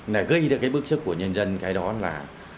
là gây ra cái bức xúc của nhân dân cái đó là